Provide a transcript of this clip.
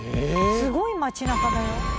すごい街中だよ。